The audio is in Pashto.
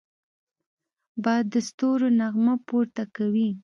باد د ستورو نغمه پورته کوي